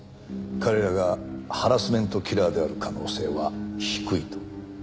彼らがハラスメントキラーである可能性は低いと。